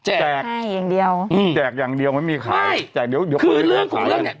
แจกให้อย่างเดียวอืมแจกอย่างเดียวไม่มีขายไม่แจกเดี๋ยวคือเรื่องของเรื่องเนี้ย